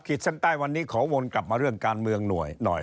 เส้นใต้วันนี้ขอวนกลับมาเรื่องการเมืองหน่อย